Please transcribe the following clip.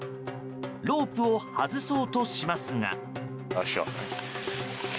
ロープを外そうとしますが。